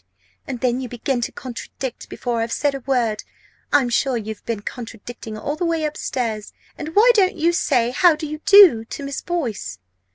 And then you begin to contradict before I've said a word! I'm sure you've been contradicting all the way upstairs and why don't you say 'How do you do?' to Miss Boyce?"